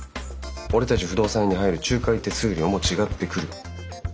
俺たち不動産屋に入る仲介手数料も違ってくる。